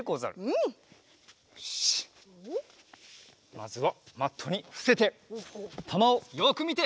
まずはマットにふせてたまをよくみて。